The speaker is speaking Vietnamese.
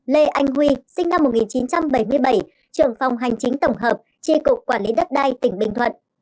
năm lê anh huy sinh năm một nghìn chín trăm bảy mươi bảy trưởng phòng hành chính tổng hợp tri cục quản lý đất đai tỉnh bình thuận